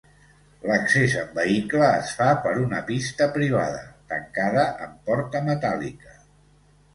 L'accés amb vehicle es fa per una pista privada, tancada amb porta metàl·lica.